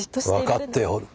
分かっておる。